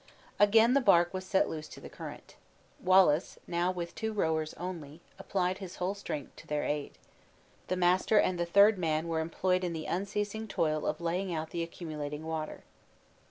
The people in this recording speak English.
Again the bark was set loose to the current. Wallace, now with two rowers only, applied his whole strength to their aid. The master and the third man were employed in the unceasing toil of laying out the accumulating water.